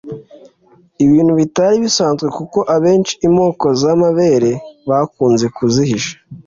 ibintu bitari bisanzwe kuko abenshi imoko z’amabere bakunze kuzihisha